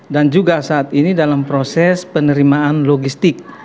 dan juga saat ini dalam proses penerimaan logistik